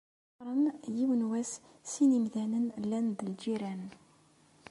Qqaren, yiwen wass, sin yimdanen, llan d lğiran.